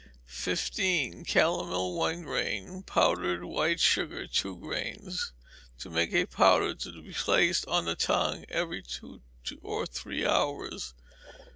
15. Calomel, one grain; powdered white sugar, two grains; to make a powder to be placed on the tongue every two or three hours.